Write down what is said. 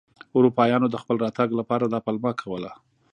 اروپایانو د خپل راتګ لپاره دا پلمه کوله.